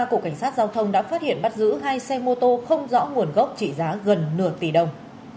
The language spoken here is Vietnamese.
của cảnh sát giao thông đã phát hiện bắt giữ hai xe mô tô không rõ nguồn gốc trị giá gần nửa tỷ đồng